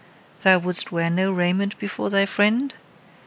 Thou wouldst wear no raiment before thy friend?